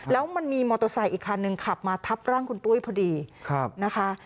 แล้วมันมีมอเตอร์ไซค์อีกคันหนึ่งขับมาทับร่างคุณปุ้ยพอดีนะคะ